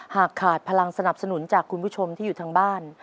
หากขาดพลังสนับสนุนจากคุณผู้ชมที่อยู่ทางบ้าน